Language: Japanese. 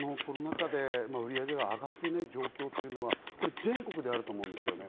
コロナ禍で売り上げが上がっていない状況は全国であると思うんですよね。